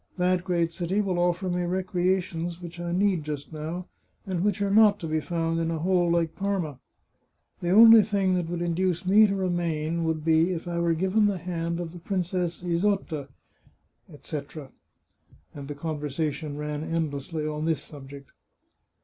That g^eat city will offer me recreations which I need just now, and which are not to be found in a hole like Parma. The only thing that would induce me to remain would be if I were g^ven the hand of Princess Isota," etc., and the conversation ran endlessly on this subject.